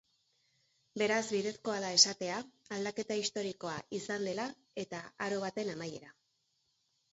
Beraz bidezkoa da esatea, aldaketa historikoa izan dela eta aro baten amaiera.